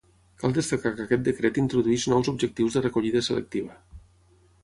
Cal destacar que aquest decret introdueix nous objectius de recollida selectiva.